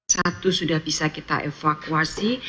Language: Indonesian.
satu sudah bisa kita evakuasi